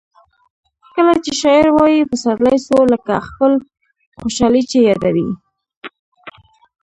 کله چي شاعر وايي پسرلی سو؛ لکه خپله خوشحالي چي یادوي.